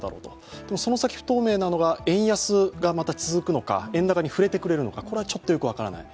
でも、その先不透明なのが円安がまた続くのか、円高に振れてくれるのか、これはちょっと分からない。